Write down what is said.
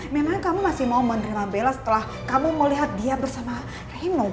memang kamu masih mau menerima bella setelah kamu mau lihat dia bersama remo